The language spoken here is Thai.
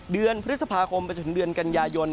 เดือนพฤษภาคมไปจนถึงเดือนกันยายน